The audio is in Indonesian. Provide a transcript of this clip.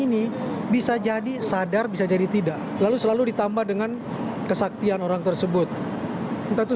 ini bisa jadi sadar bisa jadi tidak lalu selalu ditambah dengan kesaktian orang tersebut kita tuh